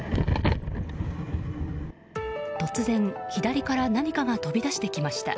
突然、左から何かが飛び出してきました。